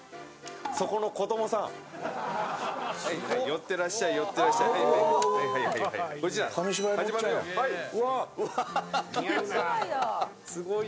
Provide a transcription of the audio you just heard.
寄ってらっしゃい寄ってらっしゃい。